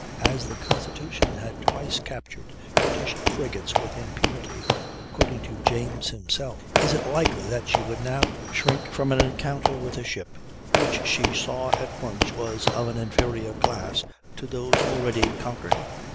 As the Constitution had twice captured British frigates "with impunity," according to James himself, is it likely that she would now shrink from an encounter with a ship which she "saw at once was of an inferior class" to those already conquered?